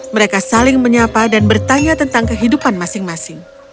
mereka saling menyapa dan bertanya tentang kehidupan masing masing